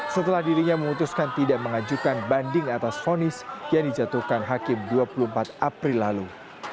setelah dirinya memutuskan tidak mengajukan banding atas fonis yang dijatuhkan hakim dua puluh empat april lalu